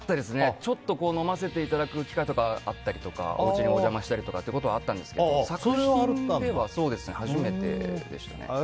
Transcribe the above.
ちょっと飲ませていただく機会があったりとかおうちにお邪魔したりすることはあったんですけど作品では初めてでしたね。